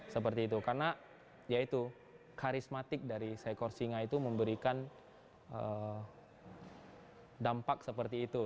karena karismatik dari seekor singa itu memberikan dampak seperti itu